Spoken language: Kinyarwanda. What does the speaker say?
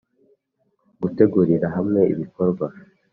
gutegurira hamwe ibikorwa